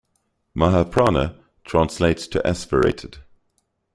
"Mahaprana" translates to "aspirated".